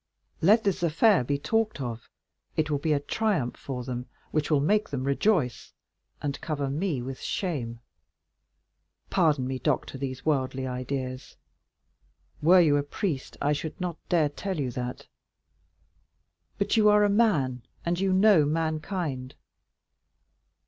Let this affair be talked of, it will be a triumph for them, which will make them rejoice, and cover me with shame. Pardon me, doctor, these worldly ideas; were you a priest I should not dare tell you that, but you are a man, and you know mankind.